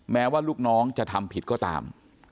แม้ว่าลูกน้องจะทำผิดก็ตาม